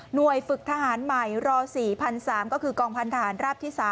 โดยฝึกทหารใหม่ร๔๓๐๐ก็คือกองพันธหารราบที่๓